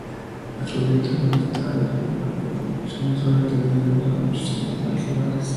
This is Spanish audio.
La cubierta forestal en el parque proporciona el hábitat ideal para muchos animales salvajes.